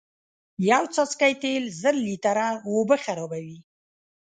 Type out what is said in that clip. یو څاڅکی تیل زر لیتره اوبه خرابوی